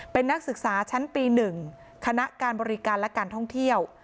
เป็นนักศึกษาชั้นปี๑คณะการบริการและการท่องเที่ยว